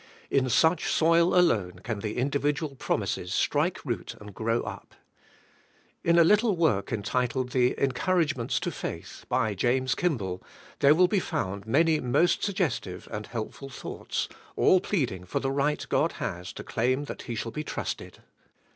In such soil alone can the individual promises strike root and grow np. In a little work entitled the Encouragements to Faith ^ 4 50 ABIDE IN CHRIST: by James Kimball, there will be found many most suggestive and helpful thoughts, all pleading for the right God has to claim that He shall be trusted.